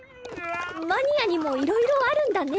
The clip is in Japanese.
マニアにもいろいろあるんだね。